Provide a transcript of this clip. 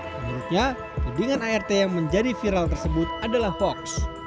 menurutnya tudingan art yang menjadi viral tersebut adalah hoax